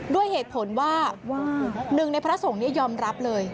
ด้วยเหตุผลว่าหนึ่งในพระสงฆ์นี้ยอมรับเลย